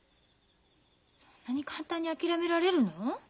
そんなに簡単に諦められるの？